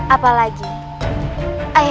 ayah anda prabu